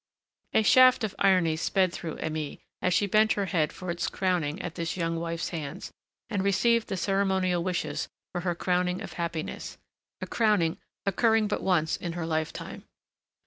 A shaft of irony sped through Aimée, as she bent her head for its crowning at this young wife's hands, and received the ceremonial wishes for her crowning of happiness, a crowning occurring but once in her lifetime.